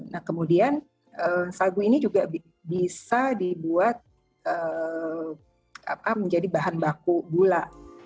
nah kemudian sagu ini juga bisa dibuat menjadi bahan baku gula